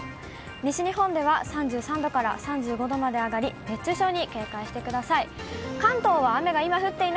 西日本では３３度から３５度まで上がり、熱中症に警戒してください。